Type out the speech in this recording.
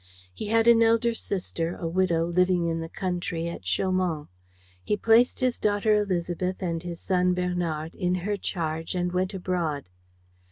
He had an elder sister, a widow, living in the country, at Chaumont. He placed his daughter Élisabeth and his son Bernard in her charge and went abroad.